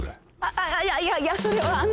あっあっいやいやいやそれはあの。